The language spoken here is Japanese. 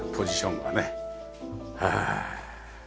へえ。